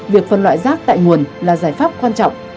việc phân loại rác tại nguồn là giải pháp quan trọng